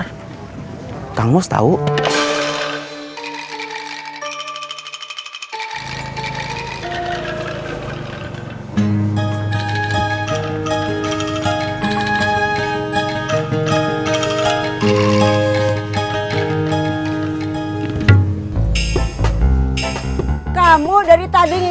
dominikan pen landlordtia cavine